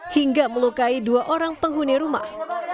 hingga melukai dua orang penghuni rumah